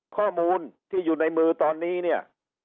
ข้อมูลที่อยู่ในมือตอนนี้